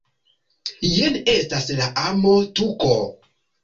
Jen estas la amo-tuko